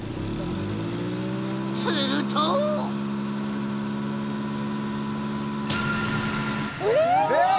するとえっ！？